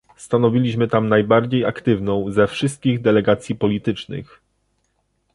Stanowiliśmy tam najbardziej aktywną ze wszystkich delegacji politycznych